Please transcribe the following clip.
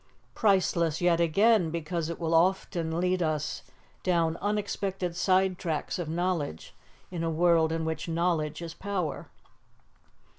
Priceless yet again, because it will often lead us down unexpected side tracks of knowledge in a world in which knowledge is power.